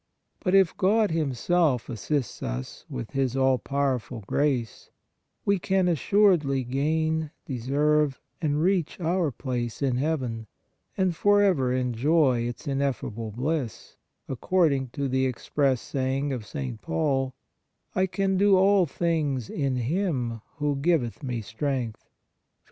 But if God Himself assists us with His all powerful grace, we can assuredly gain, deserve and reach " our place in Heaven " and forever enjoy its ineffable bliss, according to the express saying of St. Paul :" I can do all things in Him who giveth me strength " (Phil.